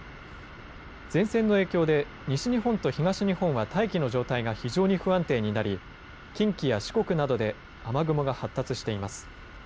前線の影響で西日本と東日本は大気の状態が非常に不安定になり近畿や四国などで雨雲が発達しています。